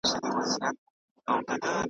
ویل جار دي تر نامه سم مُلاجانه .